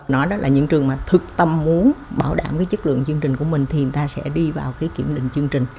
nói đó là những trường mà thực tâm muốn bảo đảm cái chất lượng chương trình của mình thì người ta sẽ đi vào cái kiểm định chương trình